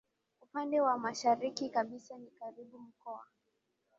upande wa mashariki kabisa ni karibu Mkoa